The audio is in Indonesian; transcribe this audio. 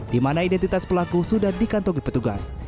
dimana identitas pelaku sudah dikantongi petugas